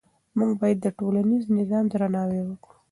موږ باید د ټولنیز نظام درناوی وکړو.